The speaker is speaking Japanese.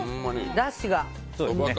だしが。